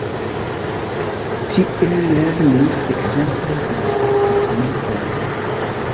Tie lernis ekzemple la diplomatoj.